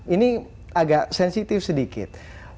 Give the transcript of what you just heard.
ini agak sensitif sedikit